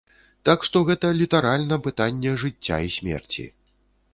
Так што гэта літаральна пытанне жыцця і смерці.